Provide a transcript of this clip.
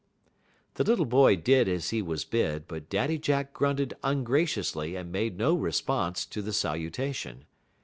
The little boy did as he was bid, but Daddy Jack grunted ungraciously and made no response to the salutation.